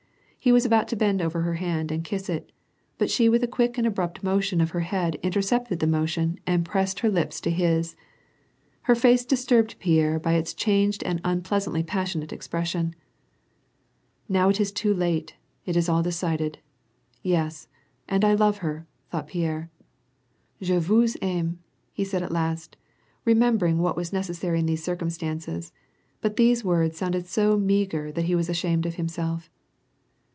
He was about to bend over her hand, and kiss it, but she with a quick and abrupt motion of her head intercepted the motion, and pressed her lips to his. Her face disturbed Pierre by its changed and unpleasantly passionate expression. "Now it is too late, it is all decided; yes, and I love her," thoui^ht Pierre. "r/p vous aime,^^ he said, at last remembering what was necessary in these circumstances ; but these words sounded so meagre that he was ashamed of himself.